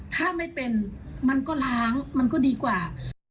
ถ้าไม่เป็นมันก็ล้างมันก็ดีกว่า